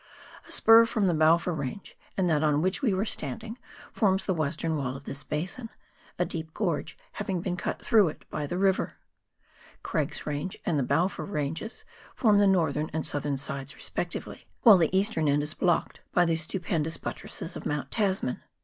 A spur from the Balfour Range, and that on which we were standing, forms the western wall of this basin, a deep gorge having been cut through it by the river ; Craig's Range and the Balfour Ranges form the northern and southern sides respectively, while the eastern end is blocked by the stupendous buttresses of Mount Tasman.